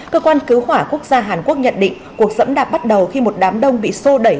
cơ quan cứu hỏa quốc gia hàn quốc nhận định cuộc dẫm đạp bắt đầu khi một đám đông bị sô đẩy